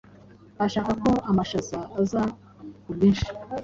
ashaka ko amashaza aza ku bwinshi,